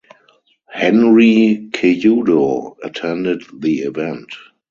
Henry Cejudo attended the event.